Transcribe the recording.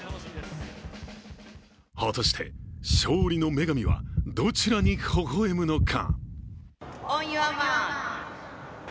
果たして、勝利の女神はどちらに微笑むのか？